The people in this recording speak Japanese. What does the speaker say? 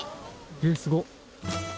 えっすごっ。